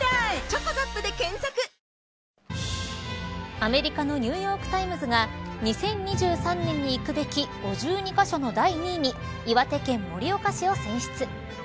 アメリカのニューヨーク・タイムズが２０２３年に行くべき５２カ所の第２位に岩手県盛岡市を選出。